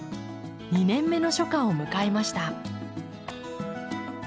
２年目の初夏を迎えました。